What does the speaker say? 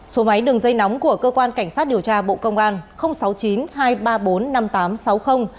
số máy đường dây nóng của cơ quan cảnh sát điều tra bộ công an sáu mươi chín hai trăm ba mươi bốn năm nghìn tám trăm sáu mươi